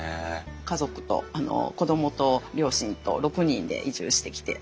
家族と子供と両親と６人で移住してきて。